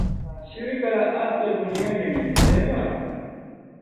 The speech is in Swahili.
Shirika la afya duniani limesema